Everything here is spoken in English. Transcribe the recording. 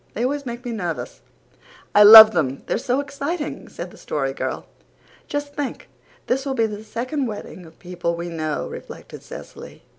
They always make me nervous." "I love them. They're so exciting," said the Story Girl. "Just think, this will be the second wedding of people we know," reflected Cecily.